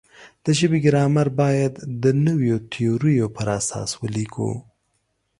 د ژبې ګرامر باید د نویو تیوریو پر اساس ولیکو.